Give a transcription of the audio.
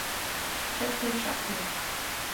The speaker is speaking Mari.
Чакне, чакне...